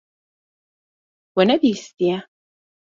We nebihîstiye.